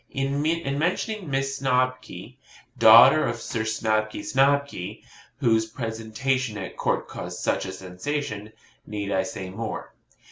In mentioning Miss Snobky, daughter of Sir Snobby Snobky, whose presentation at Court caused such a sensation, need I say more?